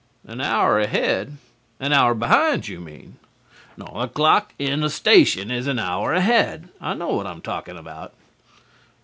"An hour ahead? An hour behind, you mean." "The clock in the station is an hour ahead. I know what I'm talking about."